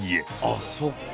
あっそっか。